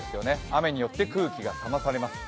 雨によって空気が冷まされます。